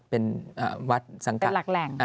เป็นวัดสังกัด